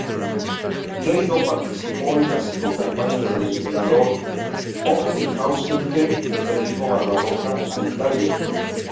Dedo participó en las cinco campañas del emperador Hohenstaufen Federico Barbarroja a Italia.